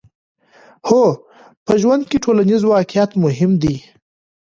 هو، په ژوند کې ټولنیز واقعیت مهم دی.